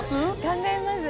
考えます。